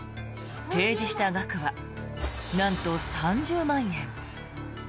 提示した額はなんと、３０万円。